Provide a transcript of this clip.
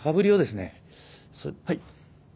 はい？